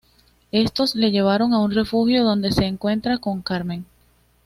Estos le llevaran a un refugio donde se encuentra con Carmen.